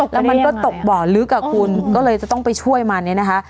แล้วมันก็ตกบ่อลึกอ่ะคุณก็เลยจะต้องไปช่วยมันเนี่ยนะคะ